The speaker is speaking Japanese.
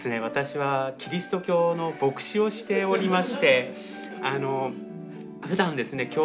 私はキリスト教の牧師をしておりましてふだんですね